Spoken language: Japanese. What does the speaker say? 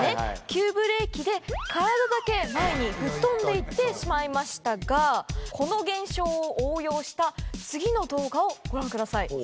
急ブレーキで体だけ前に吹っ飛んでいってしまいましたがこの現象を応用した次の動画をご覧ください。